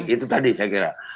itu tadi saya kira